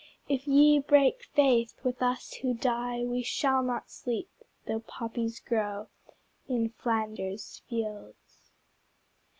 If ye break faith with us who die We shall not sleep, though poppies grow In Flanders fields.